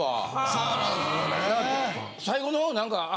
そうなんですよね。